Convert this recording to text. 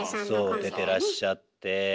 そう出てらっしゃって。